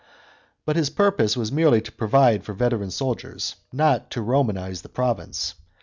But his purpose was merely to provide for veteran soldiers, not to Romanise the province.